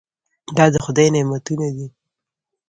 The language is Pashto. دا د خدای نعمتونه دي.